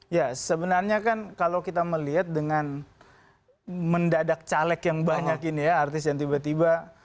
ya sebenarnya kan kalau kita melihat dengan mendadak caleg yang banyak ini ya artis yang tiba tiba